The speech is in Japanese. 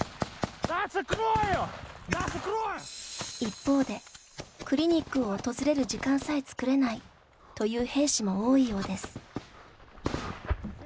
一方でクリニックを訪れる時間さえ作れないという兵士も多いようです。